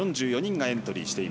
４４人がエントリー。